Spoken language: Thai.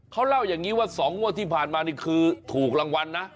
เขาเล่าอย่างนี้ว่า๒งวดที่ผ่านมานี่คือถูกรางวัลนะ